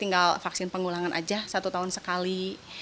tinggal vaksin pengulangan saja satu tahun sekali